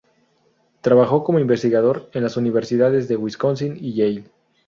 Trabajó como investigador en las universidades de Wisconsin y Yale.